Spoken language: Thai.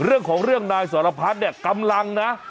เรื่องของนายศโรภัทรเนี่ยกำลังนะ